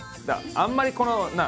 あんまりこのなあ？